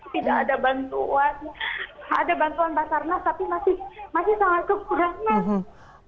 tidak ada bantuan ada bantuan basarnas tapi masih sangat kekurangan